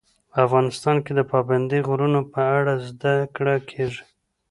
افغانستان کې د پابندي غرونو په اړه زده کړه کېږي.